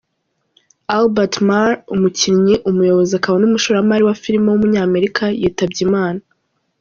Albert Marre, umukinnyi, umuyobozi akaba n’umushoramari wa film w’umunyamerika yitabye Imana.